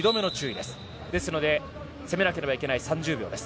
ですので、攻めなければいけない３０秒です。